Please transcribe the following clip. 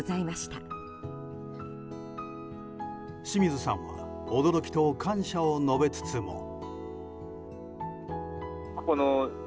清水さんは驚きと感謝を述べつつも。